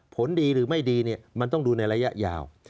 ผลดีหรือไม่ดีมันต้องดูในระยะยาว